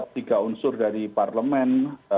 tiga unsur dari parlemen